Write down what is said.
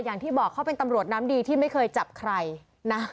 อย่างที่บอกเขาเป็นตำรวจน้ำดีที่ไม่เคยจับใครนะ